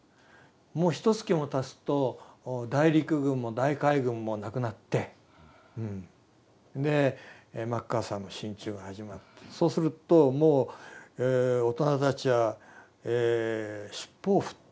もうひとつきもたつと大陸軍も大海軍もなくなってでマッカーサーの進駐が始まってそうするともう大人たちは尻尾を振って民主主義だって言いだした。